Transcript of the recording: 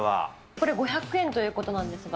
これ５００円ということなんですが、